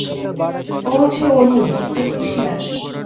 ও হচ্ছে অরুণ, টেকনিশিয়ান।